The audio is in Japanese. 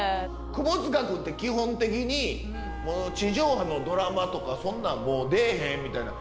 窪塚君って基本的に地上波のドラマとかそんなんもう出えへんみたいな。